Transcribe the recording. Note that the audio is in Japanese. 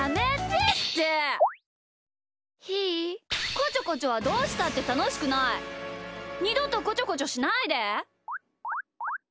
こちょこちょはどうしたってたのしくない！にどとこちょこちょしないで！